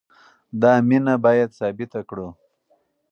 دا مینه باید ثابته کړو.